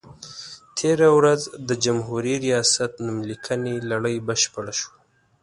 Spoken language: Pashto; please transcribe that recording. تېره ورځ د جمهوري ریاست نوم لیکنې لړۍ بشپړه شوه.